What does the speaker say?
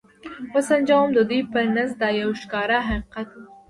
و سنجوم، د دوی په نزد دا یو ښکاره حقیقت و.